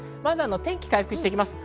天気回復してきます。